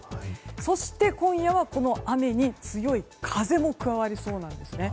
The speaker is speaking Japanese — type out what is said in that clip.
そして、今夜はこの雨に強い風も加わりそうなんです。